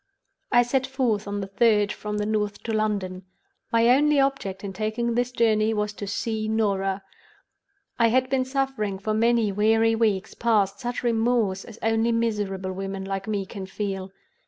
"I set forth on the third from the North to London. My only object in taking this long journey was to see Norah. I had been suffering for many weary weeks past such remorse as only miserable women like me can feel.